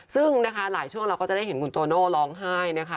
ซึ่งนะคะหลายช่วงเราก็จะได้เห็นคุณโตโน่ร้องไห้นะคะ